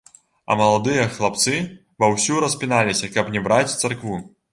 А маладыя хлапцы ва ўсю распіналіся, каб не браць царкву.